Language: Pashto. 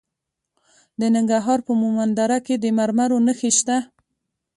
د ننګرهار په مومند دره کې د مرمرو نښې شته.